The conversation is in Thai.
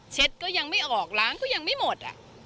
ก็ยังไม่ออกล้างก็ยังไม่หมด